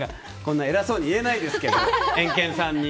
偉そうにいえないですけどエンケンさんに。